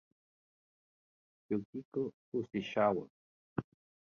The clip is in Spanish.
Yukiko Fujisawa